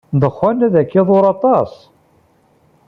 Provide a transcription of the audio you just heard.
Ddexxan ad k-iḍurr aṭas.